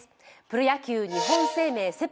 プロ野球・日本生命セ